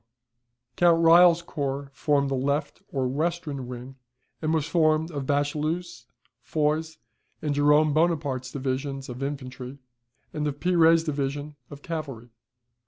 Count Reille's corps formed the left or western wing, and was formed of Bachelu's, Foy's, and Jerome Bonaparte's divisions of infantry, and of Pire's division of cavalry.